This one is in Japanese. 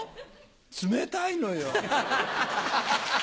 冷たいのよ。